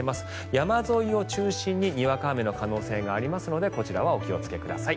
山沿いを中心ににわか雨の可能性がありますのでこちらはお気をつけください。